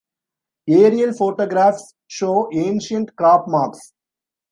Aerial photographs show ancient crop marks.